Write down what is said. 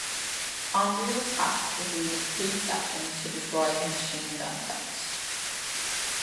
Andrew was tasked with leading two sections to destroy a machine-gun post.